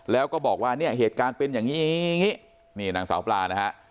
แล้วก็บอกว่าเนี่ยเหตุการณ์เป็นอย่างนี้อย่างนี้นี่นางสาวปลานะฮะ